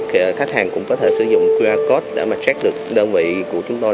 các khách hàng cũng có thể sử dụng qr code để mà check được đơn vị của chúng tôi